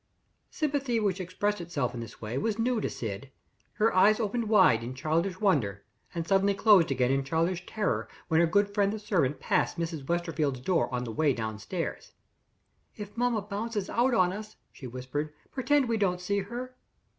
Sympathy which expressed itself in this way was new to Syd. Her eyes opened wide in childish wonder and suddenly closed again in childish terror, when her good friend the servant passed Mrs. Westerfield's door on the way downstairs. "If mamma bounces out on us," she whispered, "pretend we don't see her."